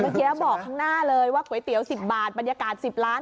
เมื่อกี้บอกข้างหน้าเลยว่าก๋วยเตี๋ยว๑๐บาทบรรยากาศ๑๐ล้าน